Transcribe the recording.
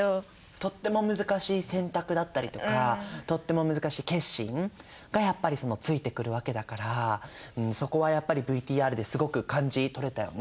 とっても難しい選択だったりとかとっても難しい決心がやっぱりついてくるわけだからそこはやっぱりＶＴＲですごく感じ取れたよね。